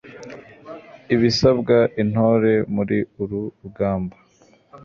ibisabwa intore muri uru rugamba